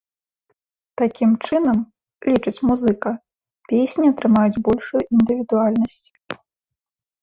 Такім чынам, лічыць музыка, песні атрымаюць большую індывідуальнасць.